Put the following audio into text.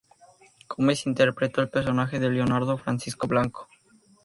Gómez interpretó el personaje de Leonardo Francisco Blanco.